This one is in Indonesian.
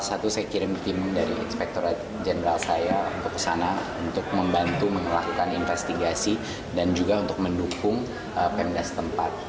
satu saya kirim tim dari inspektorat jenderal saya untuk ke sana untuk membantu melakukan investigasi dan juga untuk mendukung pemda setempat